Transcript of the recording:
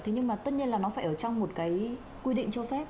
thế nhưng mà tất nhiên là nó phải ở trong một cái quy định cho phép